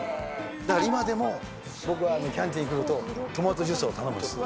だから、今でも僕はキャンティに来るとトマトジュースを頼むんです。